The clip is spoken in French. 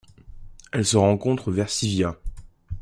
Elle se rencontre vers Sivia.